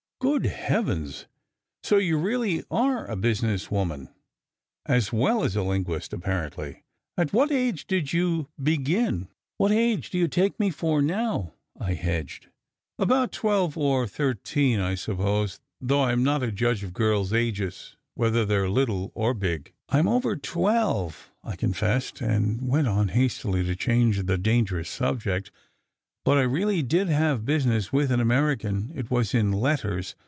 "Good heavens! So you really are a business woman, as well as a linguist, apparently. At what age did you begin?" "What age do you take me for now? " I hedged. "About twelve or thirteen, I suppose, though I m no judge of girls ages, whether they re little or big." "I m over twelve," I confessed, and went on hastily to change the dangerous subject. "But I really did have business with an American. It was in letters.